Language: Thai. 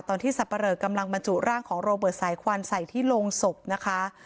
สับปะเหลอกำลังบรรจุร่างของโรเบิร์ตสายควันใส่ที่โรงศพนะคะ